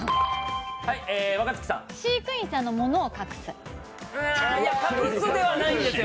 飼育員さんのものを隠す。